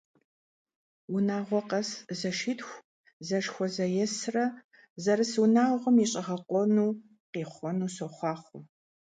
Унагъуэ къэс зэшитху зэшхуэзэесрэ зэрыс унагъуэм и щӀэгъэкъуэну къихъуэну сохъуахъуэ!